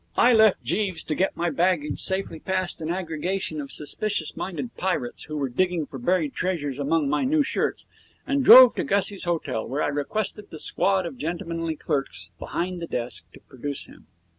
I left Jeeves to get my baggage safely past an aggregation of suspicious minded pirates who were digging for buried treasures among my new shirts, and drove to Gussie's hotel, where I requested the squad of gentlemanly clerks behind the desk to produce him.